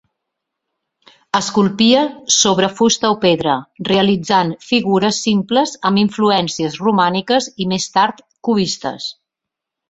Esculpia sobre fusta o pedra, realitzant figures simples amb influències romàniques i més tard cubistes.